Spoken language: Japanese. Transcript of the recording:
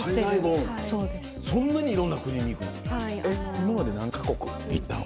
今まで何か国行ったの？